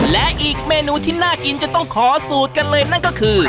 และอีกเมนูที่น่ากินจะต้องขอสูตรกันเลยนั่นก็คือ